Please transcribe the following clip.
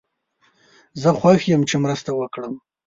زه خوښ یم چې مرسته وکړم.